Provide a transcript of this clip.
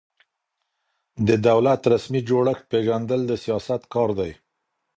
د دولت رسمي جوړښت پېژندل د سیاست کار دی.